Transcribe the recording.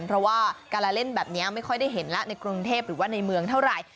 เพราะว่าการละเล่นแบบนี้ไม่ค่อยได้เห็นแล้วในกรุงเทพหรือว่าในเมืองเท่าไหร่